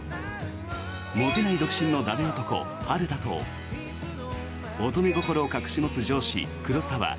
モテない独身の駄目男、春田と乙女心を隠し持つ上司、黒澤。